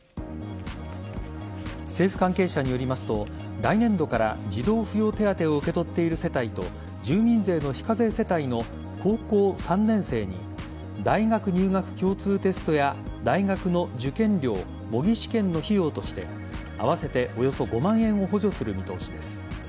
政府関係者によりますと来年度から、児童扶養手当を受け取っている世帯と住民税の非課税世帯の高校３年生に大学入学共通テストや大学の受験料模擬試験の費用として合わせておよそ５万円を補助する見通しです。